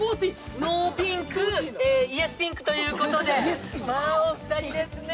ノーピンク、イエスピンクということで、まあ、お二人ですねえ。